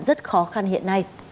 rất khó khăn hiểu